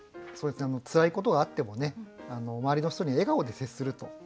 つらいことがあってもね周りの人に笑顔で接すると。